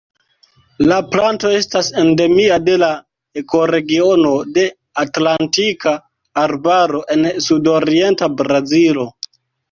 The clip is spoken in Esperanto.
La planto estas endemia de la ekoregiono de Atlantika Arbaro en sudorienta Brazilo.